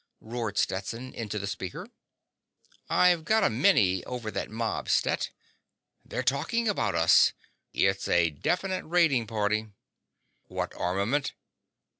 roared Stetson into the speaker. "I've got a mini over that mob, Stet. They're talking about us. It's a definite raiding party." "What armament?"